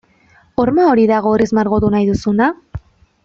Horma hori da gorriz margotu nahi duzuna?